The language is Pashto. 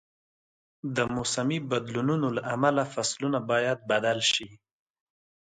د موسمي بدلونونو له امله فصلونه باید بدل شي.